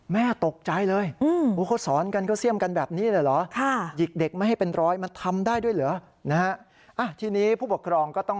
แม่ตกใจเลยเขาสอนกันเขาเสี่ยมกันแบบนี้เลยเหรอ